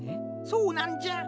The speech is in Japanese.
そうなんじゃ。